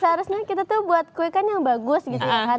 seharusnya kita tuh buat kue kan yang bagus gitu ya